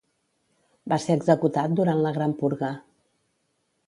Va ser executat durant la Gran Purga.